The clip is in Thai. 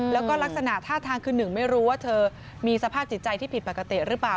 แล้วก็ลักษณะท่าทางคือหนึ่งไม่รู้ว่าเธอมีสภาพจิตใจที่ผิดปกติหรือเปล่า